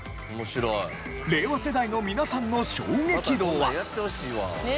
令和世代の皆さんの衝撃度は？